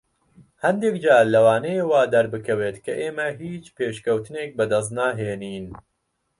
هەندێک جار لەوانەیە وا دەربکەوێت کە ئێمە هیچ پێشکەوتنێک بەدەست ناهێنین.